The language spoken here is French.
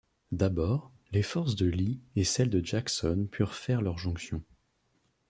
D'abord, les forces de Lee et celles de Jackson purent faire leur jonction.